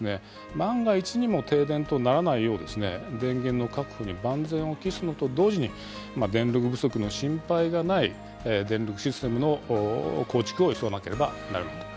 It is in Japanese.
万が一にも停電とならないよう電源の確保に万全を期すのと同時に電力不足の心配がない電力システムの構築を急がなければならないと思いますね。